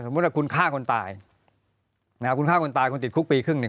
ว่าคุณฆ่าคนตายนะฮะคุณฆ่าคนตายคุณติดคุกปีครึ่งเนี่ย